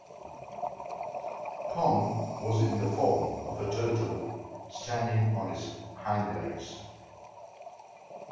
Pong was in the form of a turtle standing on its hindlegs.